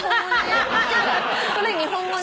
それ日本語な。